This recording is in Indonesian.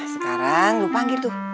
sekarang lu panggil tuh